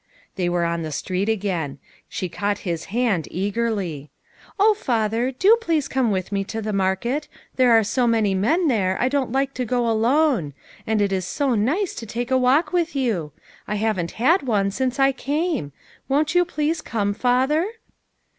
They were on the street again. She caught his hand eagerly. "O, father, do please come with me to the mar ket, there are so many men there I don't like to go alone ; and it is so nice to take a walk with you. I haven't had one since I came. "Won't you please come, father